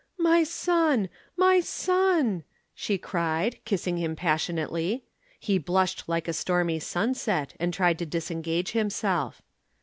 "My son! my son!" she cried, kissing him passionately. He blushed like a stormy sunset and tried to disengage himself.